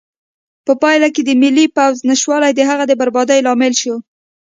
په پایله کې د ملي پوځ نشتوالی د هغه د بربادۍ لامل شو.